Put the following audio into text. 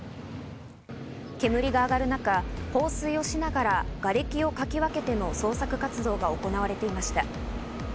煙が上がる中、放水をしながら、がれきをかき分けての捜索活動が行われていました。